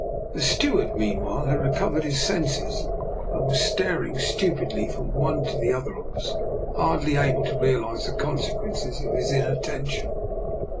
The steward meanwhile had recovered his senses, and was staring stu pidly from one to the other of us, hardly able to realise the consequences of his inattention.